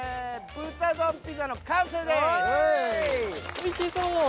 おいしそう。